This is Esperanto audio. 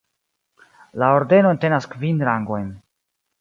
La ordeno entenas kvin rangojn.